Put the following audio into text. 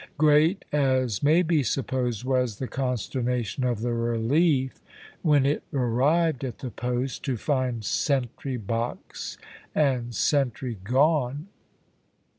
Great, as may be supposed, was the consternation of the `Relief' when it arrived at the post, to find sentry box and sentry gone.